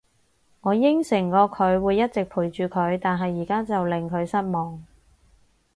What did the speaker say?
我應承過佢會一直陪住佢，但係而家就令佢失望